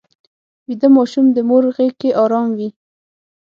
ویده ماشوم د مور غېږ کې ارام وي